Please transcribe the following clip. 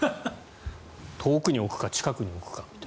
遠くに置くか近くに置くかみたいな。